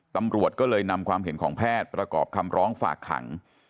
ตำรวจก็เลยนำความเห็นของแพทย์ประกอบคำร้องฝากขัง